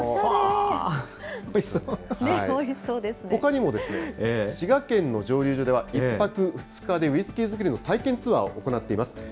ほかにも、滋賀県の蒸留所では、１泊２日でウイスキー造りの体験ツアーを行っています。